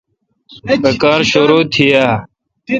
بہ کار شرو تھی اؘ۔